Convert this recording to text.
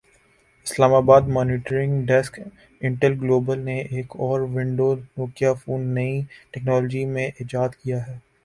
اسلام آباد monitoring desk Intel global نے ایک اور ونڈو نوکیا فون نئی ٹیکنالوجی میں ایجاد کیا ہے